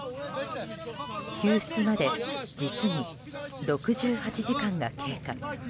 救出まで実に６８時間が経過。